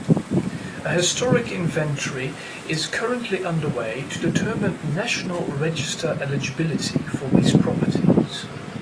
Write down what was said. A historic inventory is currently underway to determine National Register eligibility for these properties.